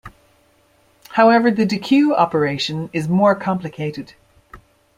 However the dequeue operation is more complicated.